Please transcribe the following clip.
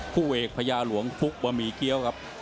คู่เอกพญาหลวงฟุกบะหมี่เกี้ยวครับ